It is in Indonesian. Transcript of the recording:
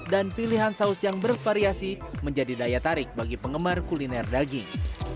dan pilihan saus yang bervariasi menjadi daya tarik bagi penggemar kuliner daging